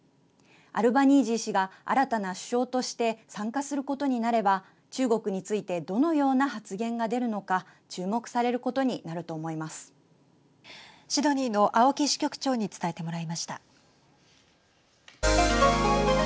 アルバニージー氏が新たな首相として参加することになれば中国についてどのような発言が出るのか注目されることになるとシドニーの青木支局長に伝えてもらいました。